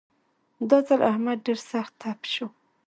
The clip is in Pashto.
دا ځل احمد ډېر سخت تپ شو.